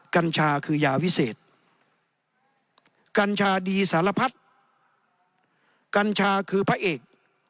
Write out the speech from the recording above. กัญชาคือยาวิเศษกัญชาดีสารพัดกัญชาคือพระเอก